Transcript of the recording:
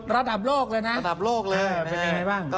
ระดับโลกเลยนะ